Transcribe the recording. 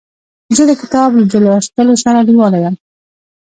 زه د کتاب لوستلو سره لیواله یم.